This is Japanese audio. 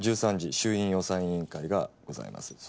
１３時衆院予算委員会がございます。